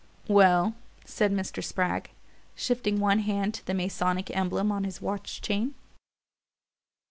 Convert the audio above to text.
"Well?" said Mr. Spragg, shifting one hand to the Masonic emblem on his watch chain.